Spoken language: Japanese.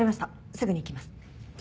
すぐに行きます。